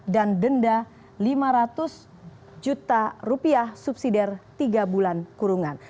dan denda lima ratus juta rupiah subsidi tiga bulan kurungan